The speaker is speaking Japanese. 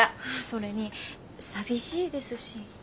それに寂しいですし。